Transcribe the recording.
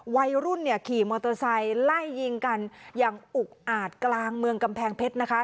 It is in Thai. วัยรุ่นเนี่ยขี่มอเตอร์ไซค์ไล่ยิงกันอย่างอุกอาจกลางเมืองกำแพงเพชรนะคะ